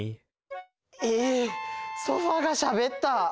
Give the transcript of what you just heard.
ええっソファーがしゃべった！？